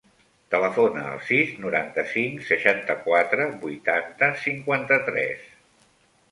Telefona al sis, noranta-cinc, seixanta-quatre, vuitanta, cinquanta-tres.